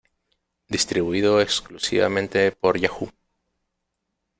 Distribuido exclusivamente por Yahoo!